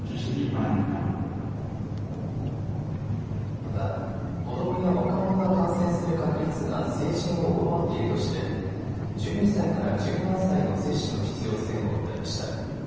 また、子どもや若者が感染する確率が成人を上回っているとして１２歳から１７歳の接種の必要性も訴えました。